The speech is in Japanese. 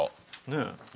ねえ。